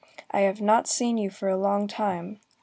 I have not seen you for a long time.